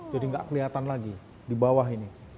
jadi tidak kelihatan lagi di bawah ini